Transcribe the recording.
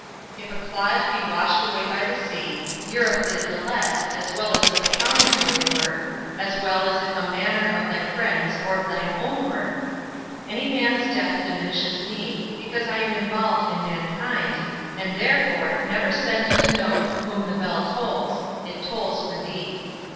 If a clod be washed away by the sea, Europe is the less, as well as if a promontory were, as well as if a manor of thy friend's or of thine own were: any man's death diminishes me, because I am involved in mankind, and therefore never send to know for whom the bells tolls; it tolls for thee.